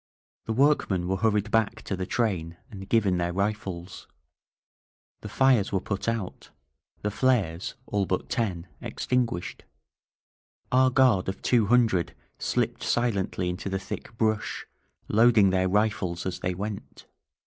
The workmen were hurried back to the train and given their rifles. The fires were put out, the flares, — all but ten, — extinguished. Our guard of two hundred slipped silently into the thick brush, loading their rifles as they went.